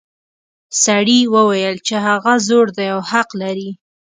سړي وویل چې هغه زوړ دی او حق لري.